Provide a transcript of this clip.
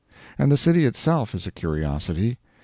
And the city itself is a curiosity.